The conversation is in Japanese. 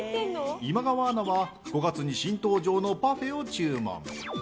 今川アナは５月に新登場のパフェを注文。